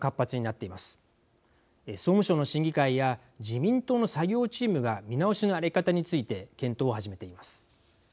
総務省の審議会や自民党の作業チームが見直しのあり方について検討を始めています。